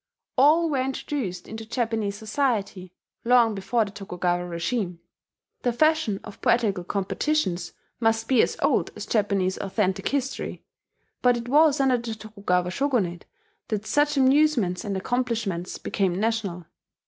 All were introduced into Japanese society long before the Tokugawa regime; the fashion of poetical competitions must be as old as Japanese authentic history. But it was under the Tokugawa Shogunate that such amusements and accomplishments became national.